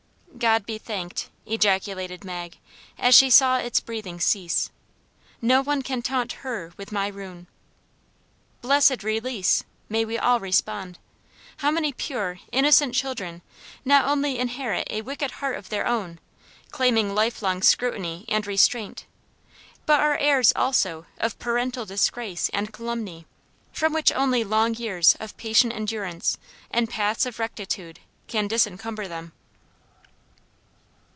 "God be thanked," ejaculated Mag, as she saw its breathing cease; "no one can taunt HER with my ruin." Blessed release! may we all respond. How many pure, innocent children not only inherit a wicked heart of their own, claiming life long scrutiny and restraint, but are heirs also of parental disgrace and calumny, from which only long years of patient endurance in paths of rectitude can disencumber them.